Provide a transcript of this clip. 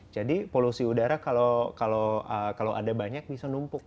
jadi polusi udara kalau ada banyak bisa numpuk